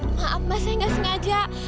maaf mbak saya nggak sengaja